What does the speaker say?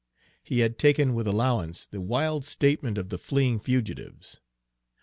He had taken with allowance the wild statement of the fleeing fugitives.